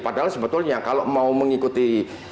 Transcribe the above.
padahal sebetulnya kalau mau mengikuti